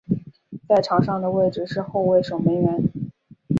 在场上的位置是后卫守门员。